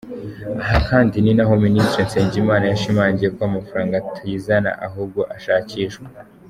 Aha kandi ni naho Minisitiri Nsengimana yashimangiye ko amafaranga atizana, ahubwo ashakishwa.